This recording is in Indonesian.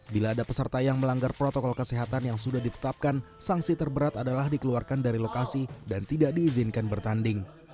bila ada peserta yang melanggar protokol kesehatan yang sudah ditetapkan sanksi terberat adalah dikeluarkan dari lokasi dan tidak diizinkan bertanding